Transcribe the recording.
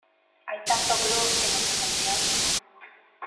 Hay tanto "groove" en esa canción.